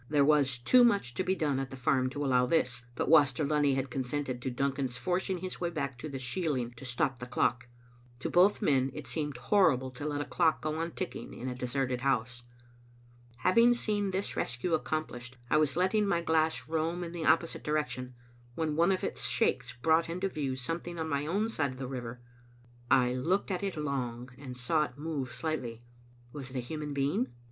There was too much to be done at the farm to allow this, but Waster Lunny had consented to Duncan's forcing his way back to the shieling to stop the clock. To both men it seemed horrible to let a clock go on ticking in a de serted house. Having seen this rescue accomplished, I was letting my glass roam in the opposite direction, when one of its shakes brought into view something on my own side of the river. I looked at it long, and saw it move slightly. Was it a human being?